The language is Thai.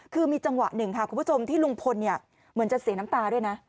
คือมีจังหวะหนึ่งค่ะคุณผู้ชมที่ลุงพลเหมือนจะเสียน้ำตาด้วยนะ